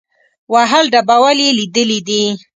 وهل ډبول یې لیدلي دي.